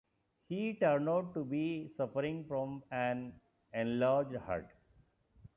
He turned out to be suffering from an enlarged heart.